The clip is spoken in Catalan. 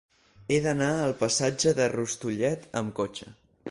He d'anar al passatge de Rustullet amb cotxe.